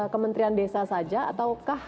kementerian desa saja ataukah